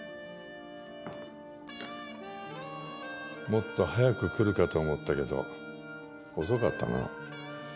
もっと早く来るかと思ったけど遅かったな。